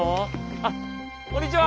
あっこんにちは！